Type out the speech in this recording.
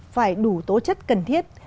phải đủ tố chất cần thiết